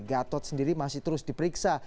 gatot sendiri masih terus diperiksa